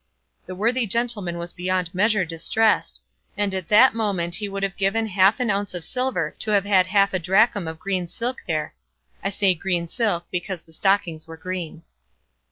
The worthy gentleman was beyond measure distressed, and at that moment he would have given an ounce of silver to have had half a drachm of green silk there; I say green silk, because the stockings were green.